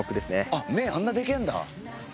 あっ目あんなでけえんだ。